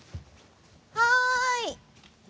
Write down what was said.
はい！